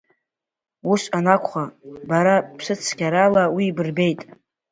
Ус анакәха бара ԥсыцқьарала уи бырбеиеит.